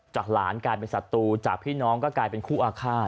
หลานกลายเป็นศัตรูจากพี่น้องก็กลายเป็นคู่อาฆาต